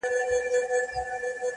درته ایښي د څپلیو دي رنګونه!.!